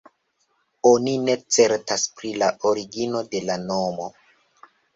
Oni ne certas pri la origino de la nomo.